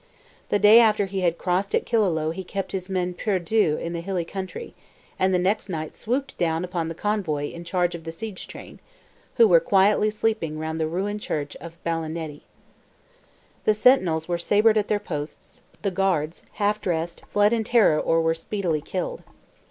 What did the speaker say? The day after he had crossed at Killaloe he kept his men perdu in the hilly country, and the next night swooped down upon the convoy in charge of the siege train, who were quietly sleeping round the ruined church of Ballanedy. The sentinels were sabred at their posts, the guards, half dressed, fled in terror or were speedily killed.